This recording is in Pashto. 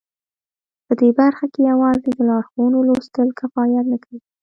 په دې برخه کې یوازې د لارښوونو لوستل کفایت نه کوي